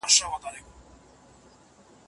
ایا لوی صادروونکي وچ توت پلوري؟